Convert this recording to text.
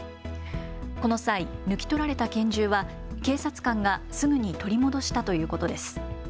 この際、抜き取られた拳銃は警察官がすぐに取り戻したということです。